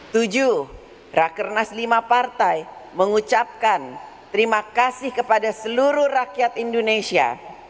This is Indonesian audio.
tujuh rakernas lima partai mengucapkan terima kasih kepada seluruh rakyat indonesia